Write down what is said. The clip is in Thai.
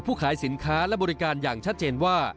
ขายสินค้าและบริการอย่างชัดเจนว่า